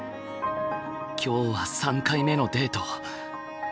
今日は３回目のデート。